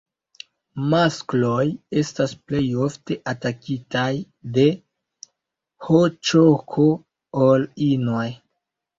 Maskloj estas plej ofte atakitaj de HĈK ol inoj.